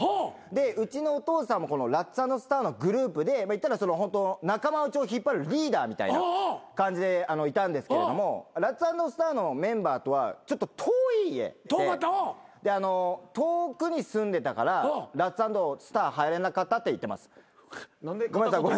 でうちのお父さんもラッツ＆スターのグループで言ったら仲間内を引っ張るリーダーみたいな感じでいたんですけれどもラッツ＆スターのメンバーとはちょっと遠い家で遠くに住んでたからラッツ＆スター入れなかったって言ってます。